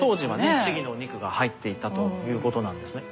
当時は鴫のお肉が入っていたということなんですね。